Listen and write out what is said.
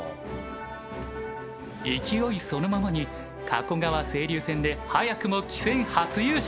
勢いそのままに加古川青流戦で早くも棋戦初優勝。